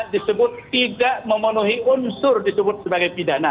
disebut tidak memenuhi unsur disebut sebagai pidana